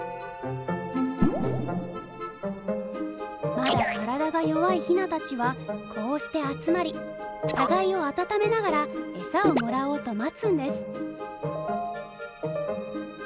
まだ体が弱いヒナたちはこうして集まり互いを温めながら餌をもらおうと待つんです。